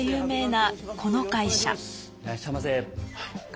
いらっしゃいませ。